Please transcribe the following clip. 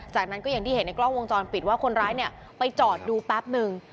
จากนั้นก็อย่างที่เห็นในกล้องวงจรปิดว่าคนร้ายเนี่ยไปจอดดูแป๊บนึง